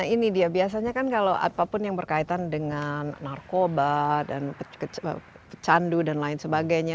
ini dia biasanya kan kalau apapun yang berkaitan dengan narkoba dan candu dan lain sebagainya